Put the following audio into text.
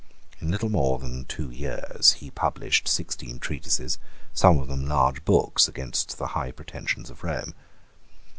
In little more than two years he published sixteen treatises, some of them large books, against the high pretensions of Rome.